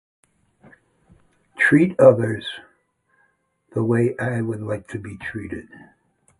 Treat others the way I would like to be treated.